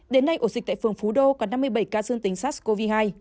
đến nay ổ dịch tại phường phú đô có năm mươi bảy ca dương tính sars cov hai